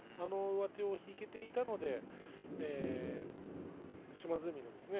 上手が引けていたので島津海ですね。